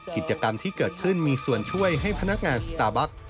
กิจกรรมที่เกิดขึ้นมีส่วนช่วยให้พนักงานสตาร์บัค